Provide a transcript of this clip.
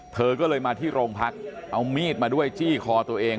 เธอก็เลยมาที่โรงพักเอามีดมาด้วยจี้คอตัวเอง